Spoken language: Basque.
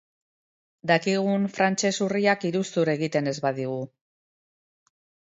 Dakigun frantses urriak iruzur egiten ez badigu.